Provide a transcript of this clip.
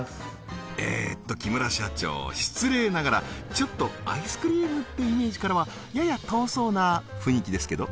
えっと木村社長失礼ながらちょっとアイスクリームってイメージからはやや遠そうな雰囲気ですけど？